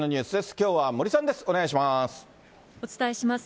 きょうは森さんです。